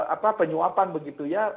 apa penyuapan begitu ya